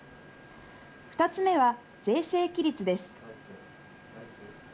２つ目は財政規律です。